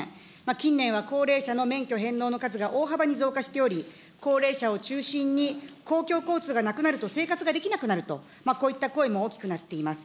近年は高齢者の免許返納の数が大幅に増加しており、高齢者を中心に公共交通がなくなると生活ができなくなると、こういった声も大きくなっています。